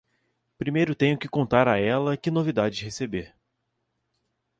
Primeiro tenho que contar a ela que novidades receber!